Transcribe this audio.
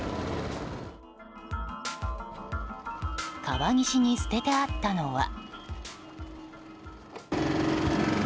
川岸に捨ててあったのは。